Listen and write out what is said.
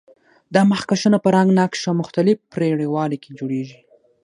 دا مخکشونه په رنګ، نقش او مختلف پرېړوالي کې جوړیږي.